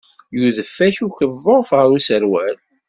Yudef-ak ukeḍḍuf ɣer userwal.